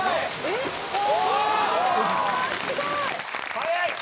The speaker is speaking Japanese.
速い！